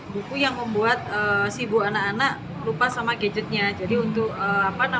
buku yang membuat si bu anak anak lupa sama gadgetnya